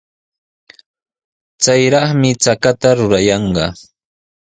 Chayraqmi chakata rurayanqa.